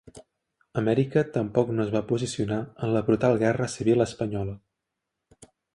Amèrica tampoc no es va posicionar en la brutal guerra civil espanyola.